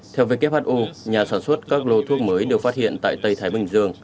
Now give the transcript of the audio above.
theo who nhà sản xuất các lô thuốc mới được phát hiện tại tây thái bình dương